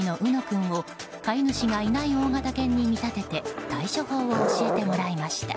君を飼い主がいない大型犬に見立てて対処法を教えてもらいました。